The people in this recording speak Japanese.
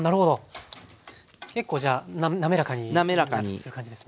結構じゃあ滑らかにする感じですね。